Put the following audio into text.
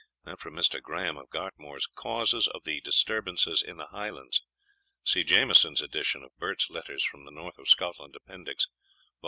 Mr. Grahame of Gartmore's Causes of the Disturbances in the Highlands. See Jamieson's edition of Burt's Letters from the North of Scotland, Appendix, vol.